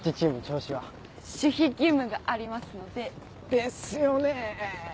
守秘義務がありますので。ですよね。